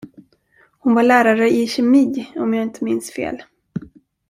Hon var lärare i kemi, om jag inte minns fel.